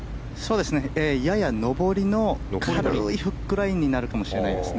やや上りの軽いフックラインになるかもしれないですね。